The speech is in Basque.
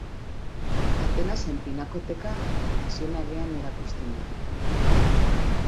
Atenasen Pinakoteka Nazionalean erakusten da.